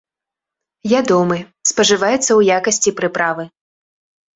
Ядомы, спажываецца ў якасці прыправы.